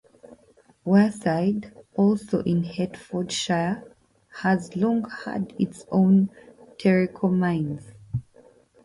Wareside, also in Hertfordshire, has long had its own "Treacle Mines".